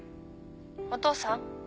☎お父さん。